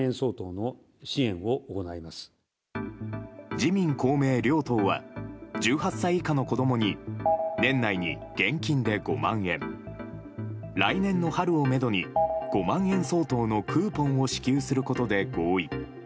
自民・公明両党は１８歳以下の子供に年内に現金で５万円来年の春をめどに５万円相当のクーポンを支給することで合意。